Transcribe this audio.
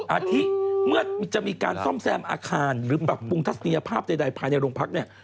อาทิตย์เมื่อจะมีการซ่อมแซมอาคารหรือปรับปรุงทัศนียภาพใดภายในโรงพักเนี่ย